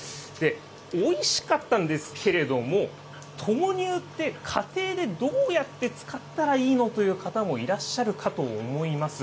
おいしかったんですけれども、豆乳って、家庭でどうやって使ったらいいのという方もいらっしゃるかと思います。